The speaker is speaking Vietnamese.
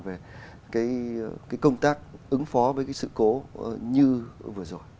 về công tác ứng phó với sự cố như vừa rồi